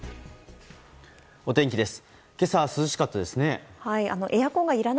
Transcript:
お天気です。